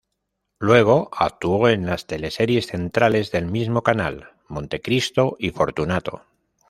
Luego, actuó en las teleseries centrales del mismo canal "Montecristo" y "Fortunato".